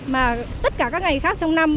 mà tất cả các ngày khác trong năm